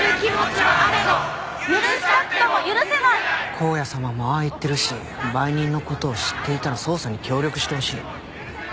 光矢様もああ言ってるし売人の事を知っていたら捜査に協力してほしい。